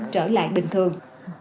trở lại bình thường